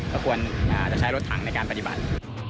ก็ควรจะใช้รถถังในการปฏิบัติ